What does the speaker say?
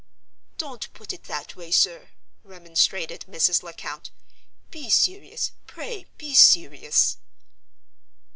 "Don't put it in that way, sir!" remonstrated Mrs. Lecount. "Be serious—pray be serious!"